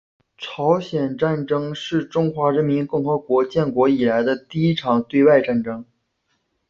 朝鲜战争是中华人民共和国建国以来的第一场对外战争。